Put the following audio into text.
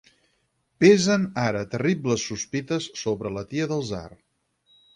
Pesen ara terribles sospites sobre la tia del tsar.